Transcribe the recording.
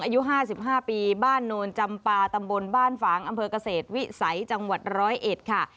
อายุ๕๕ปีบ้านโนนจำปาตำบลบ้านฝางอำเภอกเกษตรวิสัยจังหวัด๑๐๑ค่ะ